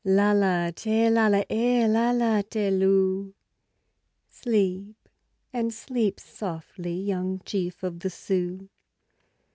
Lala, Tee, Lala, Eh, Lala, Tee, Lou; Sleep and sleep softly, Young chief of the Sioux.